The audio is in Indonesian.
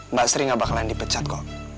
mbak sri gak bakalan dipecat kok